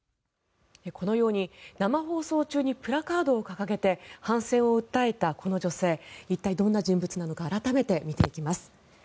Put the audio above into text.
このように生放送中にプラカードを掲げて反戦を訴えたこの女性一体、どんな人物なのか改めて見ていきます。